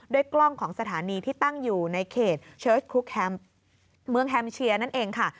กล้องของสถานีที่ตั้งอยู่ในเขตเชิสคลุกแฮมเมืองแฮมเชียร์นั่นเองค่ะ